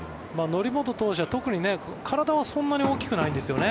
則本投手は特に、体はそんなに大きくないんですよね。